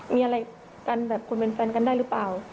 มีอะไรกันแบบคุณเป็นแฟนกันได้หรือเปล่า